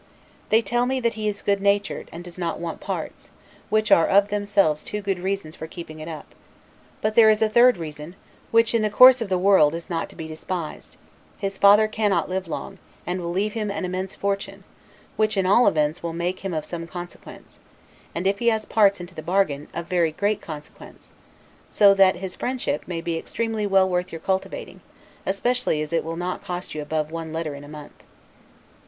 They tell me that he is good natured, and does not want parts; which are of themselves two good reasons for keeping it up; but there is also a third reason, which, in the course of the world, is not to be despised: His father cannot live long, and will leave him an immense fortune; which, in all events will make him of some consequence; and, if he has parts into the bargain, of very great consequence; so that his friendship, may be extremely well worth your cultivating, especially as it will not cost you above one letter in one month.